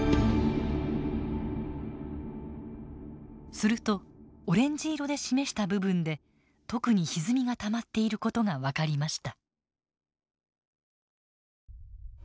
するとオレンジ色で示した部分で特にひずみがたまっている事が分かりました。